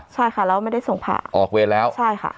ใช่ค่ะแล้วไม่ได้ส่งผ่าออกเวรแล้วใช่ค่ะ